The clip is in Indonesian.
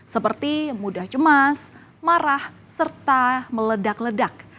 seperti mudah cemas marah serta meledak ledak